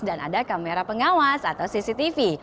dan ada kamera pengawas atau cctv